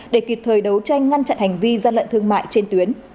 để kịp thời đấu tranh ngăn chặn hành vi gian lận thương mại trên tuyến